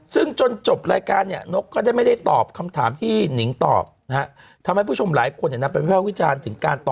ซึ่งจนจบรายการ